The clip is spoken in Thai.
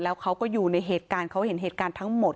แล้วเขาก็อยู่ในเหตุการณ์เขาเห็นเหตุการณ์ทั้งหมด